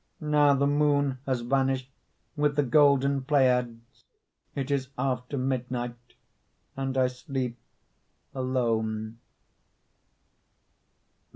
Now the moon has vanished With the golden Pleiads; It is after midnight And I sleep alone.